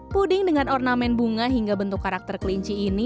puding dengan ornamen bunga hingga bentuk karakter kelinci ini